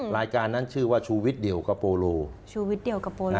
รายการนั้นชื่อว่าชูวิทย์เดียวกับโปโลชูวิทยเดียวกับโปโล